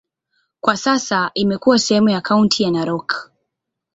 Kwa sasa imekuwa sehemu ya kaunti ya Narok.